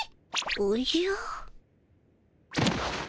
おじゃ。